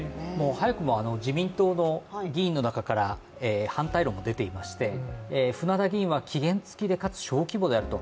早くも自民党の議員の中から反対論も出ていまして、船田議員は期限付きで、かつ小規模であると。